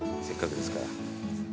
せっかくですから。